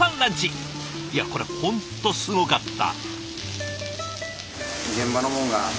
いやこれ本当すごかった。